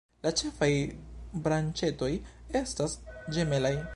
La ĉefaj branĉetoj estas ĝemelaj.